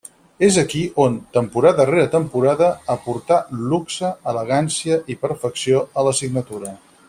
És aquí on, temporada rere temporada aportà luxe, elegància i perfecció a la signatura.